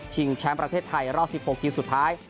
แชมป์ประเทศไทยรอบ๑๖ทีมสุดท้าย